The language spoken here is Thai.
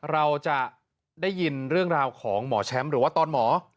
เราจะได้ยินเรื่องราวของหมอแชมป์หรือว่าตอนหมอ